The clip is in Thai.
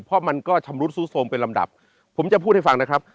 เพราะมันก็ชำรุดซุดโทรมเป็นลำดับผมจะพูดให้ฟังนะครับ